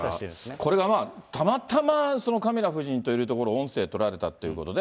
これがたまたまカミラ夫人といるところを音声とられたっていうことで。